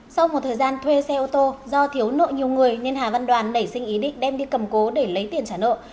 sau một thời gian thuê xe ô tô do thiếu nợ nhiều người nên hà văn đoàn đẩy sinh ý định đem đi cầm cố để lấy tiền trả nợ